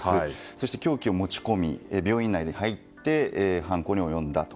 そして凶器を持ち込み病院内に入って犯行に及んだと。